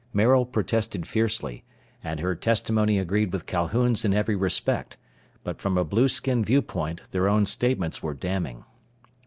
Maril protested fiercely, and her testimony agreed with Calhoun's in every respect, but from a blueskin viewpoint their own statements were damning.